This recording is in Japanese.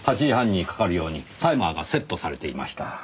８時半にかかるようにタイマーがセットされていました。